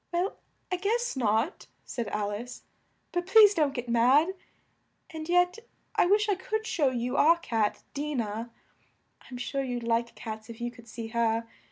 "Well, I guess not," said Al ice, "but please don't get mad. And yet I wish I could show you our cat, Di nah. I'm sure you'd like cats if you could see her.